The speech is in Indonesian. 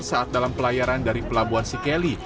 saat dalam pelayaran dari pelabuhan sikeli